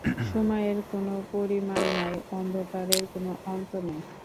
সময়ের কোনো পরিমাণ নাই, অন্ধকারের কোনো অন্ত নাই।